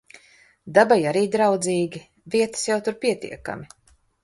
Dabai arī draudzīgi. Vietas jau tur pietiekami.